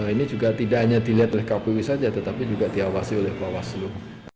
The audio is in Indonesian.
ini juga tidak hanya dilihat oleh kpu saja tetapi juga diawasi oleh bawaslu